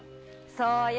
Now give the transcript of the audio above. そうよ